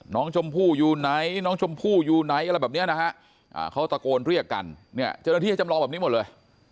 น้องชมพู่อยู่ไหนน้องชมพู่อยู่ไหนอะไรแบบนี้นะฮะเขาตะโกนเรียกกันเนี่ยเจ้าหน้าที่ให้จำลองแบบนี้หมดเลย